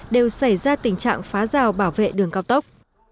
đều xảy ra tình trạng phá rào bảo vệ đường cao tốc